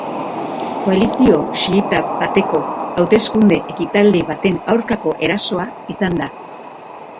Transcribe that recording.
Koalizio xiita bateko hauteskunde-ekitaldi baten aurkako erasoa izan da.